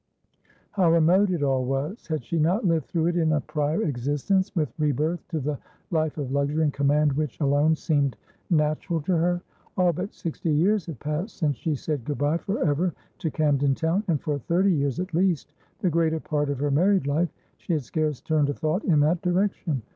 How remote it all was! Had she not lived through it in a prior existence, with rebirth to the life of luxury and command which alone seemed natural to her? All but sixty years had passed since she said good bye for ever to Camden Town, and for thirty years at least, the greater part of her married life, she had scarce turned a thought in that direction.